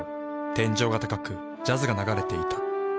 天井が高くジャズが流れていた。